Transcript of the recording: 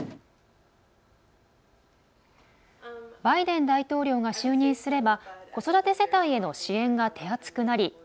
バイデン大統領が就任すれば子育て世帯への支援が手厚くなり